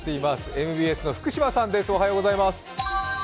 ＭＢＳの福島さんです。